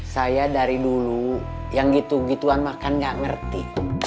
saya dari dulu yang gitugituan makan gak ngerti